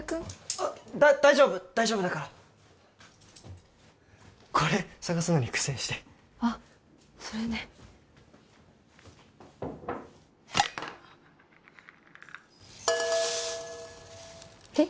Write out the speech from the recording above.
あっ大丈夫大丈夫だからこれ探すのに苦戦してあっそれねえっ？